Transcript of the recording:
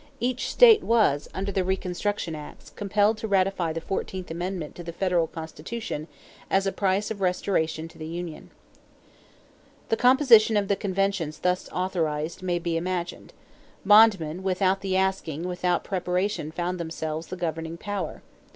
Each state was, under the reconstruction acts, compelled to ratify the fourteenth amendment to the federal Constitution as a price of restoration to the union. The composition of the conventions thus authorized may be imagined. Bondmen without the asking and without preparation found themselves the governing power.